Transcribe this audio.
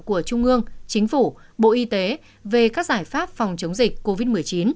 của trung ương chính phủ bộ y tế về các giải pháp phòng chống dịch covid một mươi chín